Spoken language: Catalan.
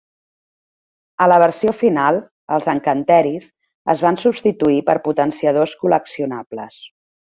A la versió final, els encanteris es van substituir per potenciadors col·leccionables.